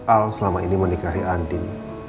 al selama ini menikahi andin